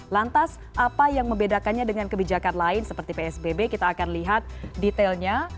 lantas apa yang membedakannya dengan kebijakan lain seperti psbb kita akan lihat detailnya